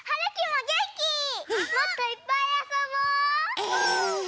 もっといっぱいあそぼう！え。